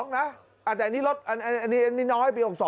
๒๑๖๒นะแต่อันนี้น้อยปี๖๒